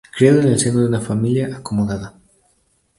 Criado en el seno de una familia acomodada.